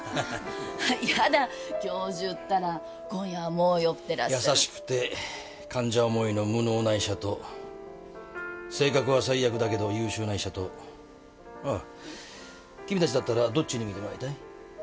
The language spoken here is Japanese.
教授ったら今夜はもう酔ってらっしゃる優しくて患者思いの無能な医者と性格は最悪だけど優秀な医者と君たちだったらどっちに診てもらいたい？